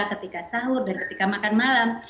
ketika sahur dan ketika makan malam